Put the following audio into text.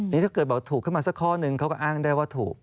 นี่ถ้าเกิดบอกถูกขึ้นมาสักข้อนึงเขาก็อ้างได้ว่าถูก